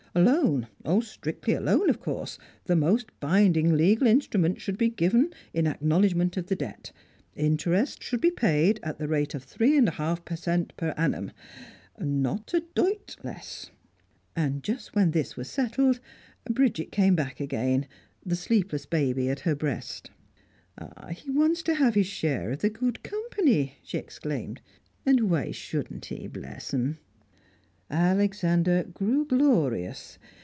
A loan, strictly a loan, of course, the most binding legal instrument should be given in acknowledgment of the debt; interest should be paid at the rate of three and a half per cent. per annum not a doit less! And just when this was settled, Bridget came back again, the sleepless baby at her breast. "He wants to have his share of the good company," she exclaimed. "And why shouldn't he, bless um!" Alexander grew glorious.